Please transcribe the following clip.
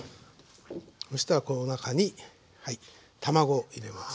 そうしたらこの中にはい卵を入れます。